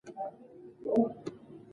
په افغانستان کې د تاریخ منابع شته.